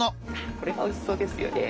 これがおいしそうですよね。